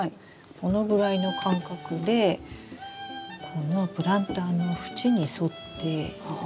このぐらいの間隔でこのプランターの縁に沿って。